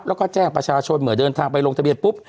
แล้วก็แจ้งประชาชนเมื่อเดินทางไปลงทะเบียนปุ๊บ